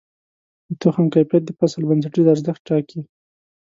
د تخم کیفیت د فصل بنسټیز ارزښت ټاکي.